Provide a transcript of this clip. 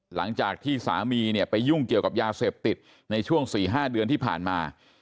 หลังจากที่สามีเนี่ยไปยุ่งเกี่ยวกับยาเสพติดในช่วง๔๕เดือนที่ผ่านมา